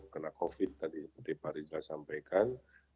kena covid tadi seperti pak rizal sampaikan